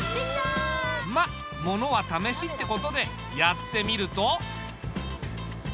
まあ物は試しってことでやってみると。